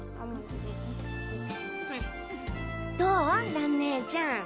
蘭ねえちゃん。